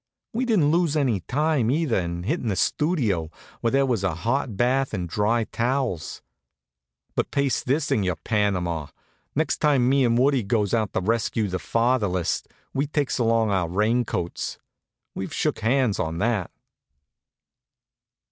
We didn't lose any time either, in hittin' the Studio, where there was a hot bath and dry towels. But paste this in your Panama: Next time me and Woodie goes out to rescue the fatherless, we takes along our raincoats. We've shook hands on that.